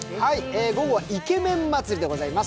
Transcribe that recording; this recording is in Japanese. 午後はイケメン祭りでございます。